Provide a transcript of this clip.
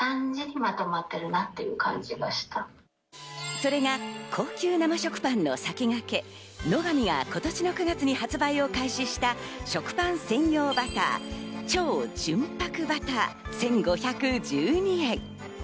それが高級生食パンの先駆け、乃が美が今年の９月に発売を開始した食パン専用バター・超純白バター、１５１２円。